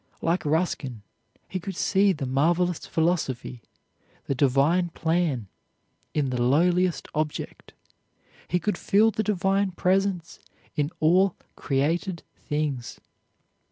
Like Ruskin, he could see the marvelous philosophy, the Divine plan, in the lowliest object. He could feel the Divine presence in all created things.